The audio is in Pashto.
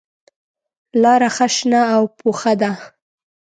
لاره ښه شنه او پوخه ده.